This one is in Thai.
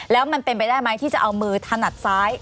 แล้วมันเป็นไปได้ไหมที่จะเอามือถนัดซ้าย